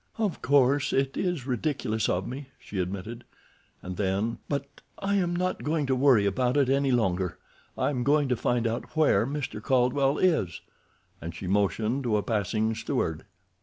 "Of course, it is ridiculous of me," she admitted. And then: "But I am not going to worry about it any longer; I am going to find out where Mr. Caldwell is," and she motioned to a passing steward.